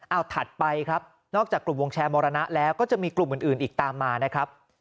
เอาถัดไปครับนอกจากกลุ่มวงแชร์มรณะแล้วก็จะมีกลุ่มอื่นอีกตามมานะครับ